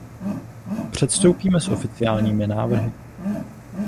Předstoupíme s oficiálními návrhy.